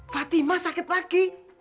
fatimah sakit lagi